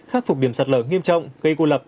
khắc phục điểm sạt lở nghiêm trọng gây cô lập